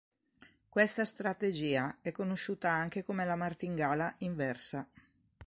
Questa strategia è conosciuta anche come la martingala inversa.